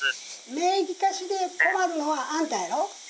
名義貸しで困るのはあんたやろ。